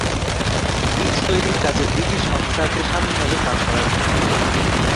Bridge তৈরির কাজে British অফিসারদের স্বাধীনভাবে কাজ করার অনুমতি দেন।